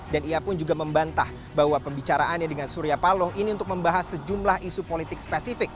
dan ia pun juga membantah bahwa pembicaraannya dengan surya paloh ini untuk membahas sejumlah isu politik spesifik